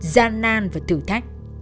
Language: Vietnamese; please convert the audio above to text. gia nan và thử thách